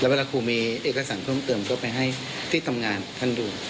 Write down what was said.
เวลาครูมีเอกสารเพิ่มเติมก็ไปให้ที่ทำงานท่านดู